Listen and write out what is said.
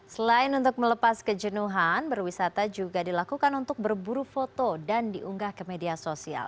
selain untuk melepas kejenuhan berwisata juga dilakukan untuk berburu foto dan diunggah ke media sosial